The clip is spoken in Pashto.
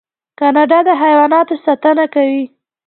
کاناډا د حیواناتو ساتنه کوي.